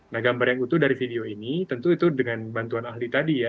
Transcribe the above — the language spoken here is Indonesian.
nah gambar yang utuh dari video ini tentu itu dengan bantuan ahli tadi ya